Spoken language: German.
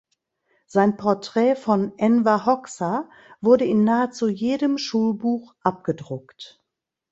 Sein Porträt von Enver Hoxha wurde in nahezu jedem Schulbuch abgedruckt.